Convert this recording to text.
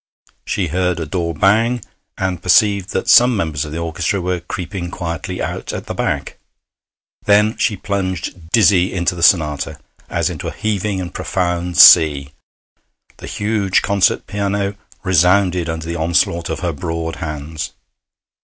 She heard a door bang, and perceived that some members of the orchestra were creeping quietly out at the back. Then she plunged, dizzy, into the sonata, as into a heaving and profound sea. The huge concert piano resounded under the onslaught of her broad hands.